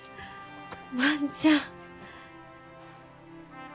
万ちゃん！